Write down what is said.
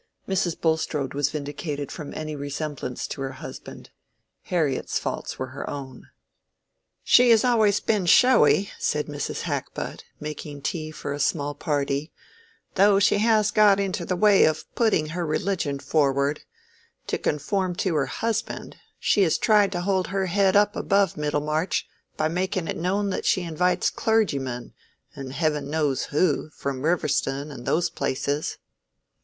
Mrs. Bulstrode was vindicated from any resemblance to her husband. Harriet's faults were her own. "She has always been showy," said Mrs. Hackbutt, making tea for a small party, "though she has got into the way of putting her religion forward, to conform to her husband; she has tried to hold her head up above Middlemarch by making it known that she invites clergymen and heaven knows who from Riverston and those places."